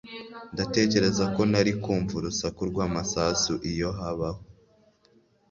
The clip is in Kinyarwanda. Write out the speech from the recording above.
Ndatekereza ko nari kumva urusaku rw'amasasu iyo habaho